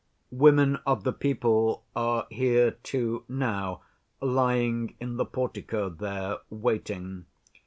"Women of the people are here too now, lying in the portico there waiting.